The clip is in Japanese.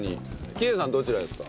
喜江さんどちらですか？